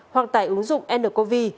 hoặc tại ứng dụng ncovi